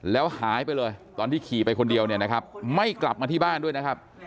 แล้วหายไปเลยตอนที่ขี่ไปคนเดียวเนี่ยนะครับไม่กลับมาที่บ้านด้วยนะครับ